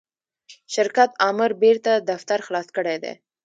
شرکت آمر بیرته دفتر خلاص کړی دی.